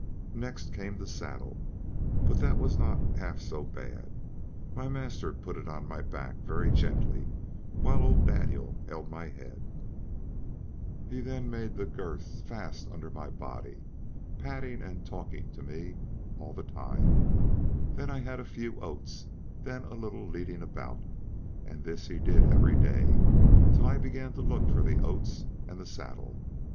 Next came the saddle, but that was not half so bad; my master put it on my back very gently, while Old Daniel held my head; he then made the girths fast under my body, patting and talking to me all the time; then I had a few oats, then a little leading about; and this he did every day till I began to look for the oats and the saddle.